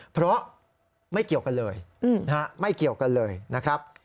เพราะไม่เกี่ยวกันเลยไม่เกี่ยวกันเลยนะครับ